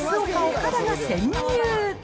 岡田が潜入。